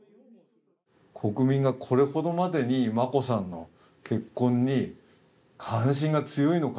国民がこれほどまでに眞子さまの結婚に関心が強いのか。